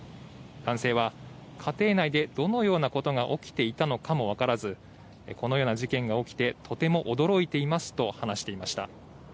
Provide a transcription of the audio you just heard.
男性は家庭内でどのようなことが起きていたのかも分からず、このような事件が起きてとても驚いていますと話していました。